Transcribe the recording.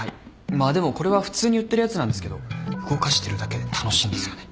まあでもこれは普通に売ってるやつなんですけど動かしてるだけで楽しいんですよね。